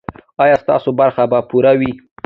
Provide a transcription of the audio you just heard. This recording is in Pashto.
ایا ستاسو برخه به پوره وي؟